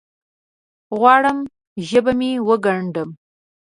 غواړم ژبه مې وګنډم